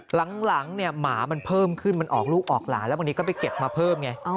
หลังเนี่ยหมามันเพิ่มขึ้นมันออกลูกออกหลานแล้วบางทีก็ไปเก็บมาเพิ่มไง